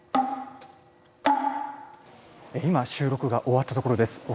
今収録が終わったところです。